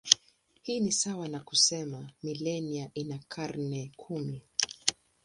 Hii ni sawa na kusema milenia ina karne kumi.